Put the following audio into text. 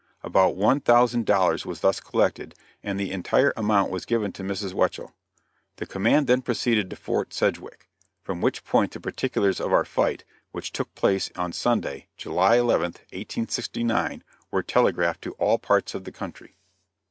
About one thousand dollars was thus collected, and the entire amount was given to Mrs. Weichel. The command then proceeded to Fort Sedgwick, from which point the particulars of our fight, which took place on Sunday, July 11th, 1869, were telegraphed to all parts of the country.